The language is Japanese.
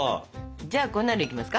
じゃあ粉類いきますか。